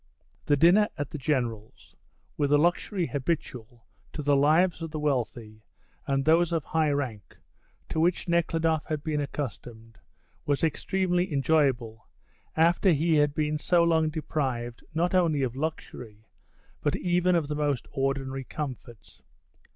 The dinner at the General's, with the luxury habitual to the lives of the wealthy and those of high rank, to which Nekhludoff had been accustomed, was extremely enjoyable after he had been so long deprived not only of luxury but even of the most ordinary comforts.